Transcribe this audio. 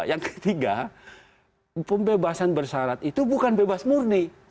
yang ketiga pembebasan bersarat itu bukan bebas murni